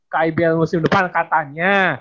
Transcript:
ke ibl musim depan katanya